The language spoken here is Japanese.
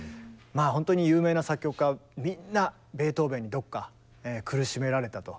まあほんとに有名な作曲家はみんなベートーベンにどっか苦しめられたと。